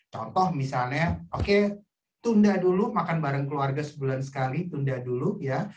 contoh misalnya oke tunda dulu makan bareng keluarga sebulan sekali tunda dulu ya